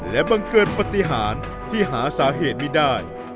และบังเกิดปฏิหารที่หาสาเหตุไม่ได้